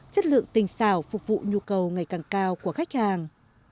chất lượng tình xảo phục vụ nhu cầu ngày càng cao của khách hàng